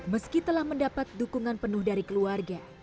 meski telah mendapat dukungan penuh dari keluarga